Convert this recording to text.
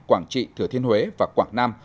quảng trị thừa thiên huế và quảng nam